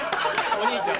お兄ちゃん！